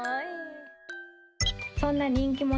そんな人気者